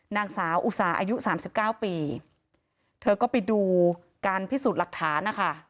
นางสาวอุตสาห์อายุสามสิบเก้าปีเธอก็ไปดูการพิสูจน์หลักฐานนะคะ